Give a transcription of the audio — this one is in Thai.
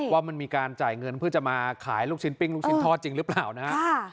ว่ามันมีการจ่ายเงินเพื่อจะมาขายลูกชิ้นปิ้งลูกชิ้นทอดจริงหรือเปล่านะฮะ